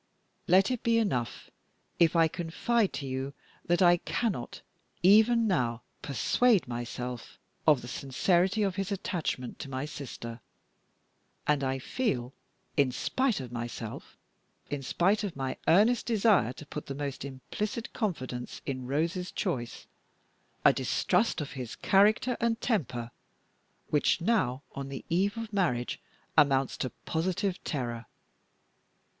Let it be enough if I confide to you that I cannot, even now, persuade myself of the sincerity of his attachment to my sister, and that I feel in spite of myself, in spite of my earnest desire to put the most implicit confidence in Rose's choice a distrust of his character and temper, which now, on the eve of the marriage, amounts to positive terror.